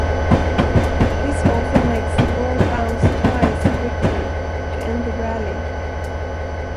This often makes the ball bounce twice quickly to end the rally.